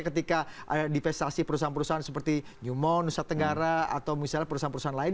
ketika divestasi perusahaan perusahaan seperti newmont nusa tenggara atau misalnya perusahaan perusahaan lain